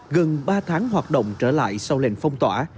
gần ba tháng hoạt động trở lại sau lệnh phong tỏa